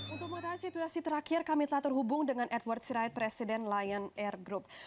untuk mengetahui situasi terakhir kami telah terhubung dengan edward sirait presiden lion air group